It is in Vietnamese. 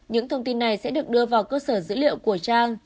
những thông tin này sẽ được đưa vào cơ sở dữ liệu của trang